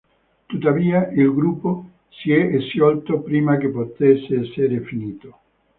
Tuttavia, il gruppo si è sciolto prima che potesse essere finito.